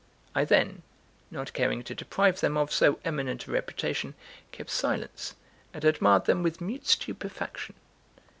I then, not caring to deprive them of so eminent a reputation, kept silence, and admired them with mute stupefaction.